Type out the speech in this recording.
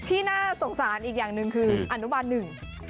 ที่น่าสงสารอีกอย่างคืออนุมานหนึ่ง